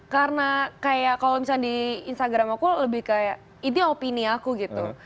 karena kayak kalau misalnya di instagram aku lebih kayak ini opini aku gitu